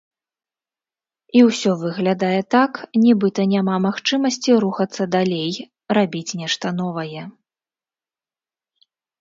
І ўсё выглядае так, нібыта няма магчымасці рухацца далей, рабіць нешта новае.